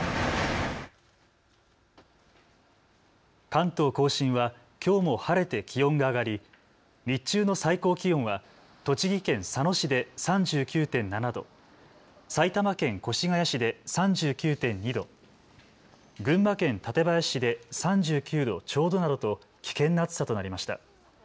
関東甲信はきょうも晴れて気温が上がり、日中の最高気温は栃木県佐野市で３９．７度、埼玉県越谷市で３９．２度、群馬県館林市で３９度ちょうどなどと危険な暑さとなりました。